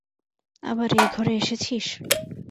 আবার এ ঘরে এসেছিস!